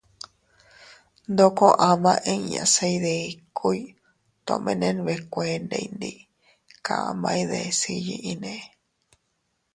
Ndoko ama inña se iydikuy tomene nbekuendey ndi kaʼmay deʼes iyyinne.